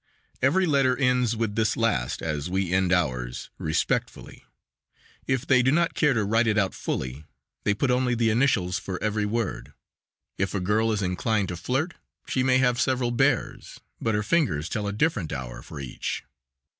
Every letter ends with this last, as we end ours "Respectfully." If they do not care to write it out fully they put only the initials for every word. If a girl is inclined to flirt she may have several "bears," but her fingers tell a different hour for each.